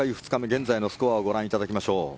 現在のスコアをご覧いただきましょう。